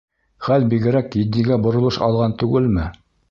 Хәл бигерәк етдигә боролош алған түгелме?